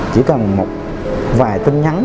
chỉ cần một vài tin nhắn